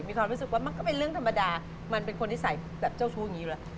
มีความรู้สึกว่ามันก็เป็นเรื่องธรรมดามันเป็นคนนิสัยแบบเจ้าชู้อย่างนี้อยู่แล้ว